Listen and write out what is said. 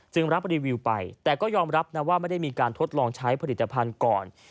รับรีวิวไปแต่ก็ยอมรับนะว่าไม่ได้มีการทดลองใช้ผลิตภัณฑ์ก่อน